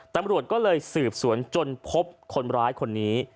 ตำรวจก็เลยสืบสวนจนพบคนร้ายคนนี้